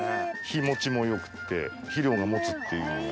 肥持ちもよくて肥料が持つっていうような。